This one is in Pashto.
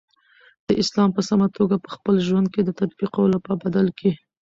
د اسلام په سمه توګه په خپل ژوند کی د تطبیقولو په بدل کی